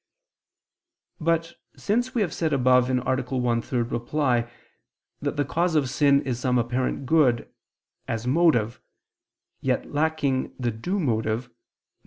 But since we have said above (A. 1, ad 3) that the cause of sin is some apparent good as motive, yet lacking the due motive, viz.